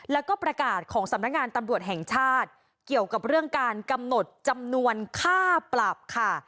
แล้วก็ประกาศของสำนักงานตำรวจแห่งชาติเกี่ยวกับเรื่องการกำหนดจำนวนค่าปรับค่ะ